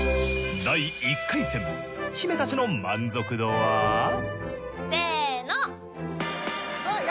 第１回戦姫たちの満足度は。